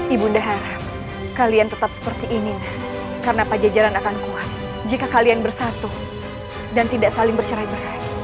ibundahara kalian tetap seperti ini karena pajajaran akan kuat jika kalian bersatu dan tidak saling bercerai berai